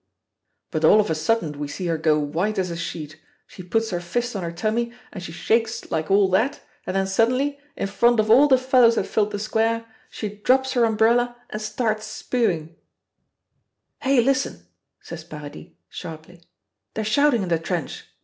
"But all of a sudden we see her go white as a sheet, she puts her fist on her tummy and she shakes like all that, and then suddenly, in front of all the fellows that filled the square, she drops her umbrella and starts spewing!" "Hey, listen!" says Paradis, sharply, "they're shouting in the trench.